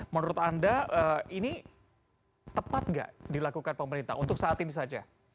menurut anda ini tepat nggak dilakukan pemerintah untuk saat ini saja